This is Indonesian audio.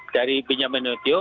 dari benjamin nadinehu